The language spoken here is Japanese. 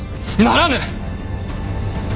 ならぬ！